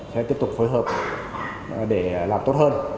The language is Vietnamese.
sẽ tiếp tục phối hợp để làm tốt hơn